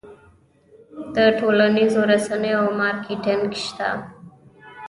د ټولنیزو رسنیو مارکیټینګ شته؟